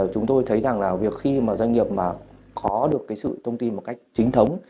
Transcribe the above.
chúng tôi thấy rằng khi doanh nghiệp có được sự thông tin một cách chính thống